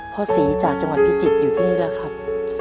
พ่อศรีจากจังหวัดพิจิตรอยู่ที่นี่แล้วครับ